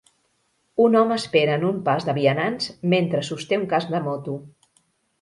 Un home espera en un pas de vianants mentre sosté un casc de moto